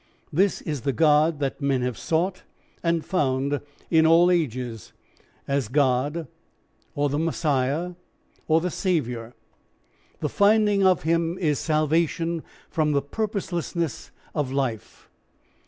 This is the God that men have sought and found in all ages, as God or as the Messiah or the Saviour. The finding of him is salvation from the purposelessness of life.